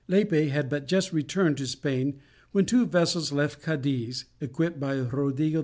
Lepe had but just returned to Spain when two vessels left Cadiz, equipped by Rodrigo M.